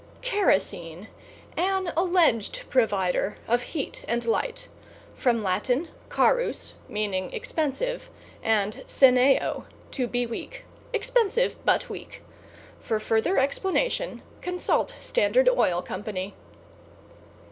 =KEROSENE= An alleged provider of heat and light. From Lat. carus, meaning expensive and seneo, to be weak; expensive but weak. For further explanation, consult Standard Oil Company.